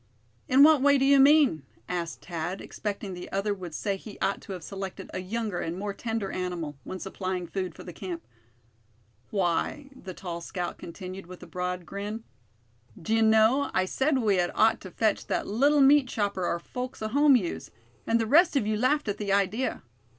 "In what way do you mean?" asked Thad, expecting the other would say he ought to have selected a younger and more tender animal, when supplying food for the camp. "Why," the tall scout continued, with a broad grin; "d'ye know, I said we had ought to fetch that little meat chopper our folks at home use; and the rest of you laughed at the idea.